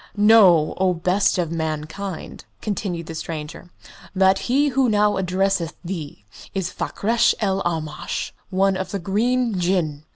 "Know, O best of mankind," continued the stranger, "that he who now addresses thee is Fakrash el Aamash, one of the Green Jinn.